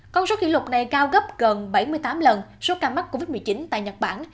con số kỷ lục này cao gấp gần bảy mươi tám lần số ca mắc covid một mươi chín tại nhật bản